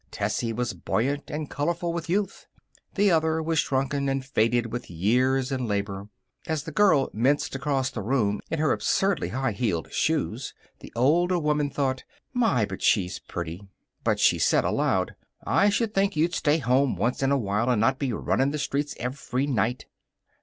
Tessie was buoyant and colorful with youth. The other was shrunken and faded with years and labor. As the girl minced across the room in her absurdly high heeled shoes, the older woman thought: My, but she's pretty! But she said aloud: "I should think you'd stay home once in a while and not be runnin' the streets every night."